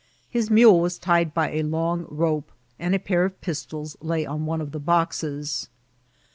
His mule was tied by a long rope, and a pair of pistols lay on one of the boxes.